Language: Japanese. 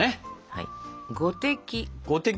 はい！